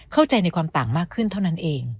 เข้าใจในความต่างมากขึ้นเท่านั้นเอง